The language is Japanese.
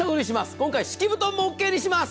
今回敷き布団もオーケーにします！